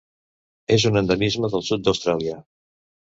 És un endemisme del sud d'Austràlia.